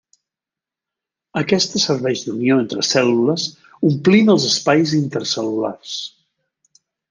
Aquesta serveix d'unió entre cèl·lules, omplint els espais intercel·lulars.